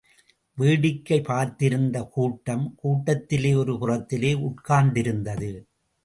வேடிக்கை பார்த்திருந்த கூட்டம் கூடத்திலே ஒரு புறத்திலே உட்கார்ந்திருந்தது.